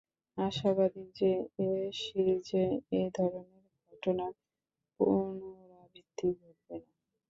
আশাবাদী যে, এ সিরিজে এ ধরনের ঘটনার পুণরাবৃত্তি ঘটবে না।